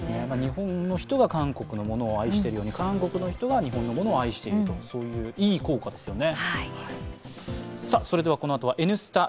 日本の人が韓国のものを愛しているように韓国の人が日本のものを愛しているといういい効果ですよね。